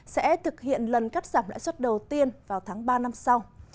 sẽ thực hiện lần cắt giảm lãi suất đầu tiên vào tháng ba năm sau